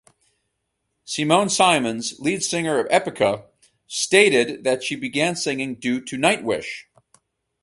Simone Simons, lead singer of Epica, stated that she began singing due to Nightwish.